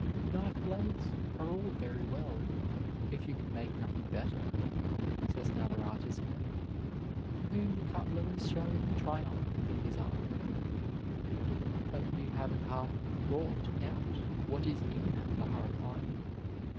"Knife blades are all very well, if you can make nothing better," says another artisan, to whom the cutler has shown the triumph of his art, "but you haven't half brought out what is in that bar of iron.